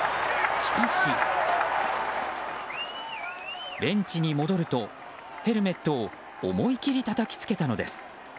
しかし、ベンチに戻るとヘルメットを思い切りたたきつけたのです。